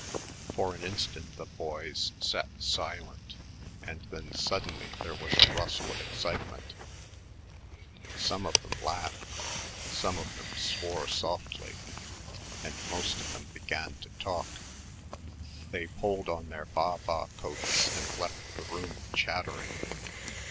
For an instant the boys sat silent, and then suddenly there was a rustle of excitement. Some of them laughed, some of them swore softly, and most of them began to talk. They pulled on their baa baa coats and left the room chattering.